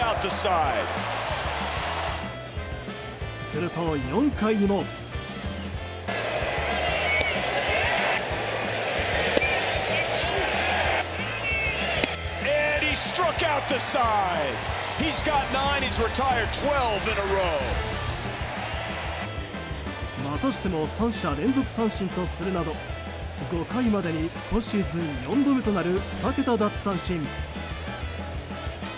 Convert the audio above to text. すると４回にも。またしても３者連続三振とするなど５回までに、今シーズン４度目となる２桁奪三振。